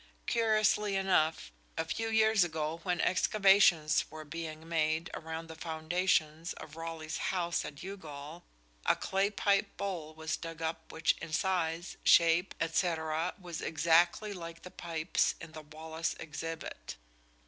Curiously enough, a few years ago when excavations were being made around the foundations of Raleigh's house at Youghal a clay pipe bowl was dug up which in size, shape, &c., was exactly like the pipes in the Wallace exhibit.